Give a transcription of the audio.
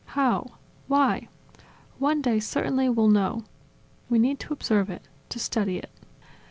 How? Why? One day, certainly, we'll know. We need to observe it, to study it."